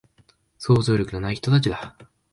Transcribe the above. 想像力のない人たちだ